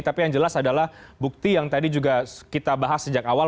tapi yang jelas adalah bukti yang tadi juga kita bahas sejak awal